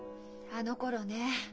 「あのころ」ね。